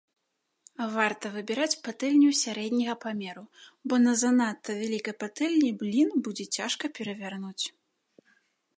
Варта выбіраць патэльню сярэдняга памеру, бо на занадта вялікай патэльні блін будзе цяжка перавярнуць.